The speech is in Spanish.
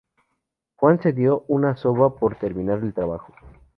Juan se dio una soba por terminar el trabajo.